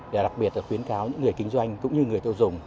và đặc biệt là khuyến cáo những người kinh doanh cũng như người tiêu dùng